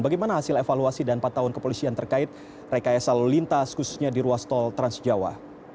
bagaimana hasil evaluasi dan pantauan kepolisian terkait rekayasa lalu lintas khususnya di ruas tol transjawa